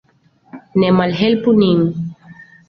Ne malhelpu nin.